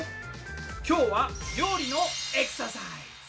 今日は料理のエクササイズ。